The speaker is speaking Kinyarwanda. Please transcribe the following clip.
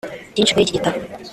Byinshi kuri iki gitabo